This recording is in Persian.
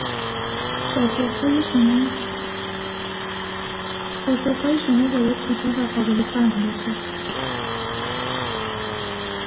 پاسخهای شما باید کوتاه و قابل فهم باشد.